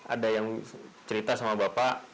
ada yang cerita sama bapak